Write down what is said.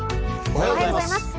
おはようございます。